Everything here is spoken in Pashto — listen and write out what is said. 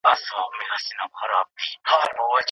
هغه څوک چې مطالعه کوي هېڅکله نه ګمراه کیږي.